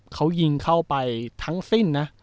เขายิงเข้าไปทั้งสิ้นนะ